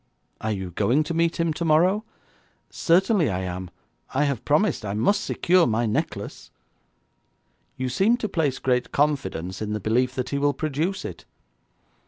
'Are you going to meet him tomorrow?' 'Certainly I am. I have promised. I must secure my necklace.' 'You seem to place great confidence in the belief that he will produce it.'